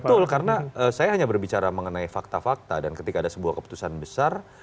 betul karena saya hanya berbicara mengenai fakta fakta dan ketika ada sebuah keputusan besar